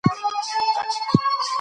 مراد له ټولو لاسلیکونه واخیستل.